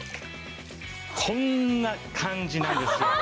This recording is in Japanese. こんな感じなんですよ。